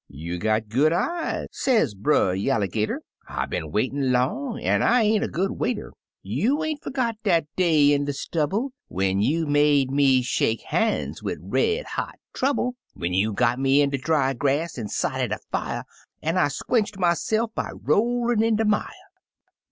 "You got good eyes," sez Brer Yalligater, "I been waitin' long, an' 1 ain't a good waiter; You ain't fergot dat day in de stubble, When you make me shake han's wid red hot trouble — When you got me in de dry grass, an' sot it afire. An' I squenched myse'f by rollin' in de mire."